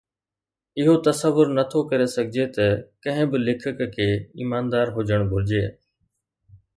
اهو تصور نه ٿو ڪري سگهجي ته ڪنهن به ليکڪ کي ايماندار هجڻ گهرجي